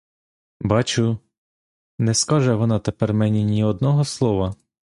Бачу — не скаже вона тепер мені ні одного слова.